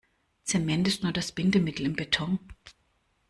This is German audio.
Zement ist nur das Bindemittel im Beton.